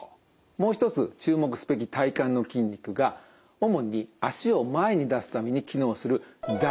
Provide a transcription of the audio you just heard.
もう一つ注目すべき体幹の筋肉が主に足を前に出すために機能する大腰筋です。